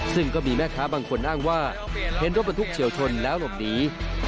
ซึ่งก็มีแม่ค้าบางคนอ้างว่าเห็นรถบรรทุกเฉียวชนแล้วหลบหนี